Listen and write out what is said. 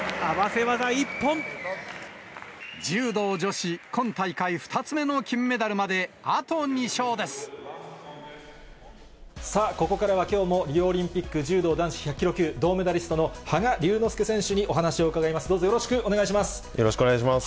柔道女子、今大会２つ目の金さあ、ここからはきょうもリオオリンピック柔道男子１００キロ級、銅メダリストの羽賀龍之介選手にお話を伺います。